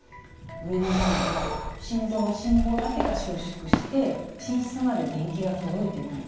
上の段が心臓の心房だけが収縮して心室まで電気が届いてないっていうタイプです。